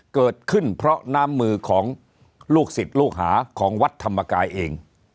เกิดขึ้นเพราะน้ำมือของลูกศิษย์ลูกหาของวัดธรรมกายเอง